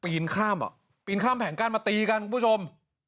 ข้ามอ่ะปีนข้ามแผงกั้นมาตีกันคุณผู้ชม